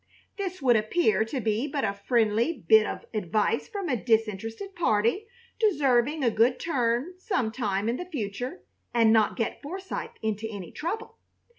This would appear to be but a friendly bit of advice from a disinterested party deserving a good turn some time in the future and not get Forsythe into any trouble.